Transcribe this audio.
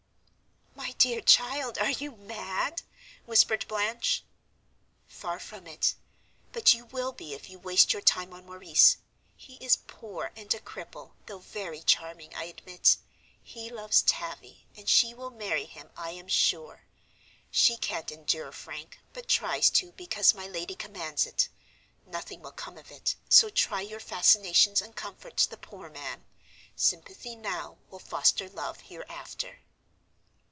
"My dear child, are you mad?" whispered Blanche. "Far from it, but you will be if you waste your time on Maurice. He is poor, and a cripple, though very charming, I admit. He loves Tavie, and she will marry him, I am sure. She can't endure Frank, but tries to because my lady commands it. Nothing will come of it, so try your fascinations and comfort the poor man; sympathy now will foster love hereafter."